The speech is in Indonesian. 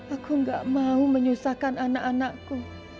aku gak mau menyusahkan anak anakku